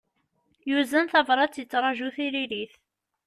Yuzen tabrat, yettraju tiririt.